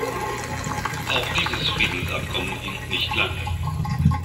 Auch dieses Friedensabkommen hielt nicht lange.